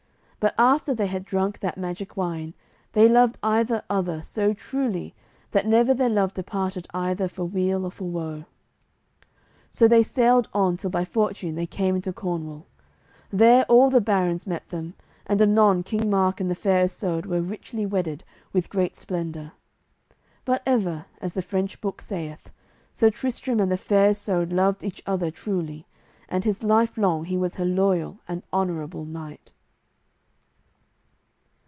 But after they had drunk that magic wine, they loved either other so truly that never their love departed either for weal or for woe. So they sailed on till by fortune they came into Cornwall. There all the barons met them, and anon King Mark and the Fair Isoud were richly wedded with great splendour. But ever, as the French book saith, Sir Tristram and the Fair Isoud loved each other truly, and his life long he was her loyal and honourable knight.